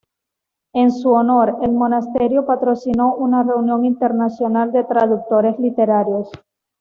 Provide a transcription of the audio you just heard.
En su honor, el monasterio patrocinó una reunión internacional de traductores literarios.